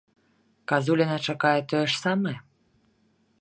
Казуліна чакае тое ж самае?